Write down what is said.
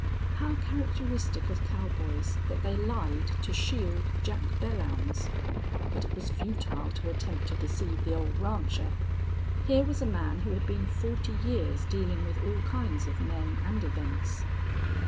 How characteristic of cowboys that they lied to shield Jack Belllounds! But it was futile to attempt to deceive the old rancher. Here was a man who had been forty years dealing with all kinds of men and events.